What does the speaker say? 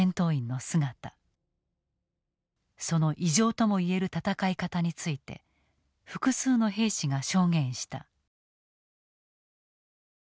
その異常ともいえる戦い方について複数の兵士が証言した。